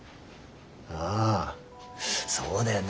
ああそうだよな。